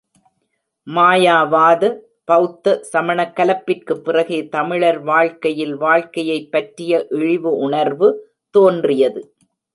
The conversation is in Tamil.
மாயா வாத, பெளத்த, சமணக் கலப்பிற்குப் பிறகே தமிழர் வாழ்க்கையில் வாழ்க்கையைப் பற்றிய இழிவு உணர்வு தோன்றியது.